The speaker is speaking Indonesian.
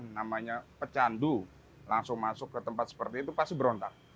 namanya pecandu langsung masuk ke tempat seperti itu pasti berontak